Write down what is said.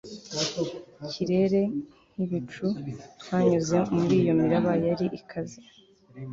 kirere nk ibicu twanyuze muri iyo miraba yari ikaze